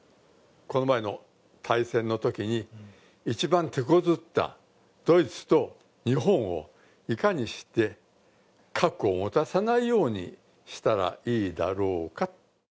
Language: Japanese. この前の大戦のときに一番てこずったドイツと日本をいかにして核を持たさないようにしたらいいだろうか。